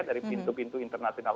dari pintu pintu internasional